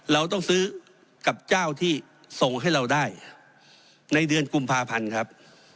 เราต้องซื้อกับเจ้าที่ส่งให้เราได้ในเดือนกุมภาพันธ์ครับ